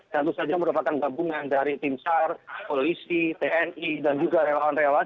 tentu saja merupakan gabungan dari tim sar polisi tni dan juga relawan relawan